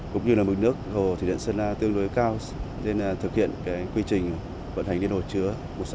cũng như mực nước hồ thủy điện sơn la tương đối cao nên thực hiện quy trình vận hành điện hội chứa một nghìn sáu trăm hai mươi hai